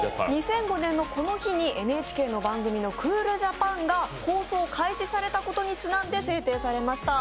２００５年のこの日にＮＨＫの「ＣＯＯＬＪＡＰＡＮ」が放送されたことをちなんで制定されました。